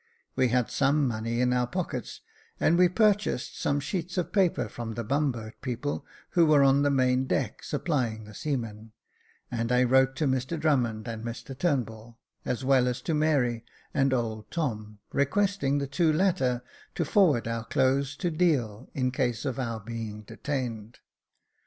We had some money in our pockets, and we purchased some sheets of paper from the bumboat people, who were on the main deck supplying the seamen ; and I wrote to Mr Drummond and Mr Turnbull, as well as to Mary and old Tom, requesting the two latter to forward our clothes to Deal, in case of our being detained.